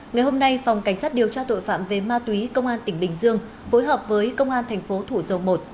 ngày hôm nay phòng cảnh sát điều tra tội phạm về ma túy công an tỉnh bình dương phối hợp với công an thành phố thủ dầu một